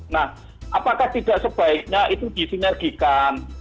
nah apakah tidak sebaiknya itu disinergikan